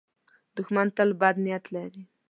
دښمن تل بد نیت لري